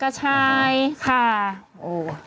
ก็ใช่ขาด